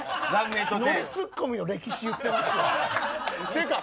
ノリツッコミの歴史言ってますやん。